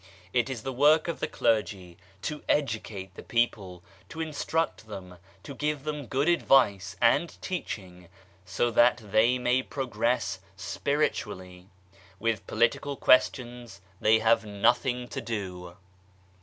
It is the work of the clergy to educate the people, to THEOSOPHICAL SOCIETY 123 instruct them, to give them good advice and teaching so that they may progress spiritually. With political questions they have nothing to do.